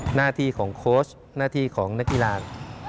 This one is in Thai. หน้าที่ของโค้ชหน้าที่ของนักกีฬา